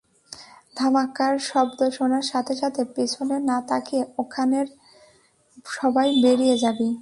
ধামাকার শব্দ শোনার সাথে সাথে পেছনে না তাকিয়ে ওখানের সবাই বেরিয়ে যাবি।